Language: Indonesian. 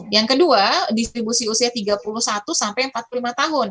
yang kedua distribusi usia tiga puluh satu sampai empat puluh lima tahun